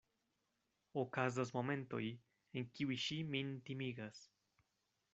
Okazas momentoj, en kiuj ŝi min timigas.